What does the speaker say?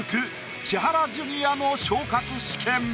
千原ジュニアの昇格試験。